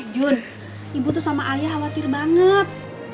jun ibu tuh sama ayah khawatir banget